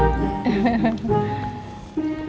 terima kasih mbak